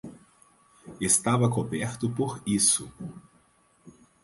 Estava coberto por isso.